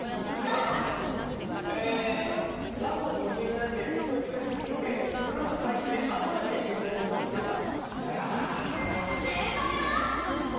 マンボウに夢中になって水槽に近づきすぎてグッと入って、顎だけ水槽の外に出た。